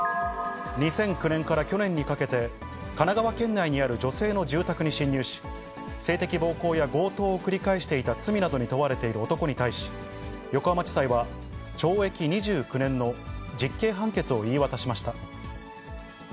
２００９年から去年にかけて、神奈川県内にある女性の住宅に侵入し、性的暴行や強盗を繰り返していた罪などに問われている男に対し、横浜地裁は、懲役２９年の実刑判決を言い渡しました。